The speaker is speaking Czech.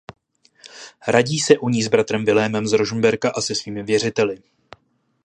Radí se o ní s bratrem Vilémem z Rožmberka a se svými věřiteli.